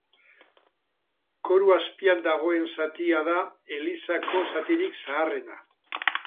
Koru azpian dagoen zatia da elizako zatirik zaharrena.